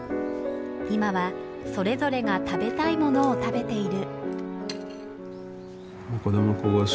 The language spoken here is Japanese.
今はそれぞれが食べたいものを食べている。